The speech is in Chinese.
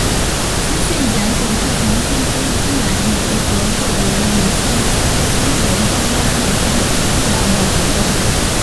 资讯检索是从信息资源集合获得与信息需求相关的信息资源的活动。